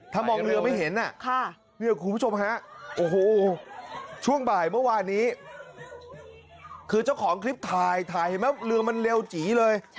ถ้ามองเรือไม่เห็นคุณผู้ชมฮะช่วงบ่ายเมื่อวานี้คือเจ้าของคลิปถ่ายเรือมันเร็วจี๋เลย